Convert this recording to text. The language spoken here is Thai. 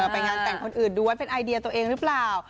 ไปงานแต่งคนอื่นดูว่าเป็นไอเดียตัวเองหรือเปล่า